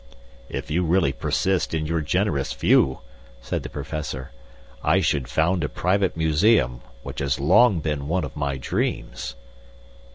"If you really persist in your generous view," said the Professor, "I should found a private museum, which has long been one of my dreams."